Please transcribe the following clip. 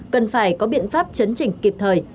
cần phải có biện pháp chấn trình kịp thời